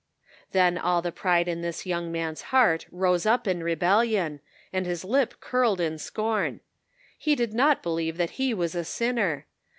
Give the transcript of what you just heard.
Then all the pride in this young man's heart rose up in rebellion, and his lip curled in scorn. He did not believe that he was a sinner